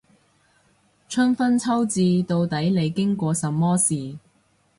春分秋至，到底你經過什麼事